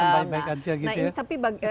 apakah kembali baik saja gitu ya